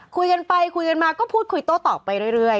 คุยกันไปคุยกันมาก็พูดคุยโต้ตอบไปเรื่อย